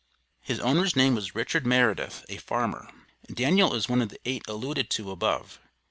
His owner's name was Richard Meredith, a farmer. Daniel is one of the eight alluded to above.